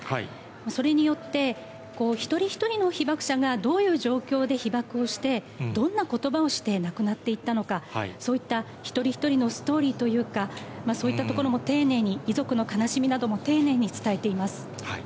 それによって一人一人の被爆者がどういう状況で被爆をして、どんな言葉を残して亡くなっていったのか、そんな一人一人のストーリーというか、そういったところも丁寧に、遺族の悲しみなども丁寧に伝えています。